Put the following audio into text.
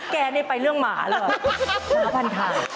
แกนี่ไปเรื่องหมาเหรอหมาพันธา